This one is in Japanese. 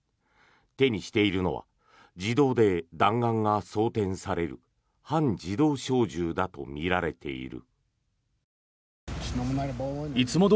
手にしているのは自動で弾丸が装てんされる半自動小銃だとみられている。